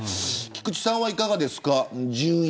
菊地さんは、いかがですか。